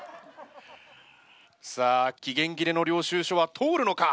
さあ期限切れの領収書は通るのか？